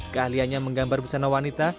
keahlianya menggambar busana wanita